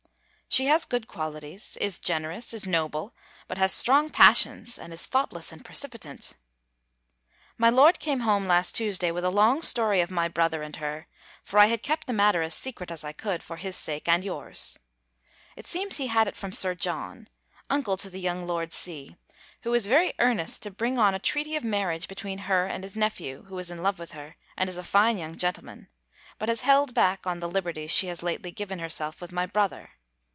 She has good qualities is generous is noble but has strong passions, and is thoughtless and precipitant. My lord came home last Tuesday, with a long story of my brother and her: for I had kept the matter as secret as I could, for his sake and yours. It seems he had it from Sir John , uncle to the young Lord C., who is very earnest to bring on a treaty of marriage between her and his nephew, who is in love with her, and is a fine young gentleman; but has held back, on the liberties she has lately given herself with my brother.